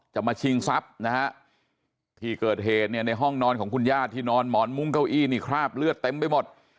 มาชิงทรัพย์นะฮะที่เกิดเหตุเนี่ยในห้องนอนของคุณญาติที่นอนหมอนมุ้งเก้าอี้นี่คราบเลือดเต็มไปหมด